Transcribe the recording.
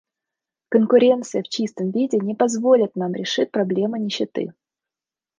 Конкуренция в чистом виде не позволит нам решить проблему нищеты.